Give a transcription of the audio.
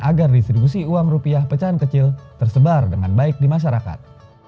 agar distribusi uang rupiah pecahan kecil tersebar dengan baik di masyarakat